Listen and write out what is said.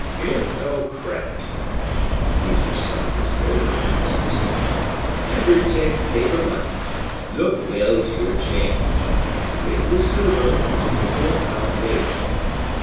"Give no credit!"—these were some of his golden maxims,—"Never take paper money. Look well to your change! Ring the silver on the four pound weight!